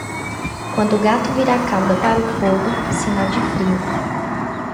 Quando o gato vira a cauda para o fogo, sinal de frio.